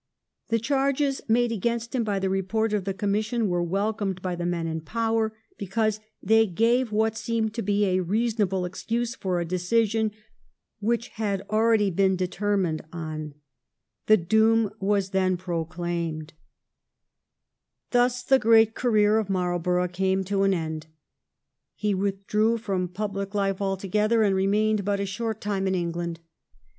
The charges made against him by the report of the commission were welcomed by the men in power, because they gave what seemed to be a reasonable excuse for a decision which had already been determined on. The doom was then proclaimed, 120 THE EEIGN OF QUEEN ANNE. ch. xxvi. Thus the great career of Marlborough came to an end. He withdrew from public life altogether, and remained but for a short time in England.